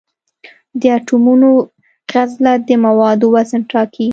د اټومونو غلظت د موادو وزن ټاکي.